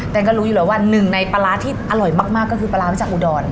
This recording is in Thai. ก็รู้อยู่แล้วว่าหนึ่งในปลาร้าที่อร่อยมากก็คือปลาร้ามาจากอุดร